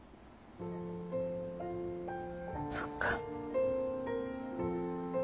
そっか。